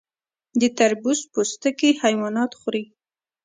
د تربوز پوستکي حیوانات خوري.